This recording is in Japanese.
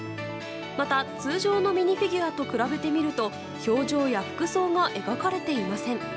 また、通常のミニフィギュアと比べてみると表情や服装が描かれていません。